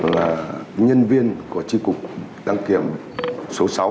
là nhân viên của tri cục đăng kiểm số sáu